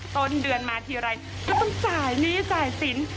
ต้นเดือนมาทีไรก็ต้องจ่ายหนี้จ่ายสิน